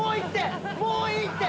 もういいって！